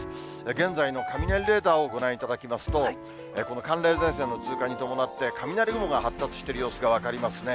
現在の雷レーダーをご覧いただきますと、この寒冷前線の通過に伴って、雷雲が発達している様子が分かりますね。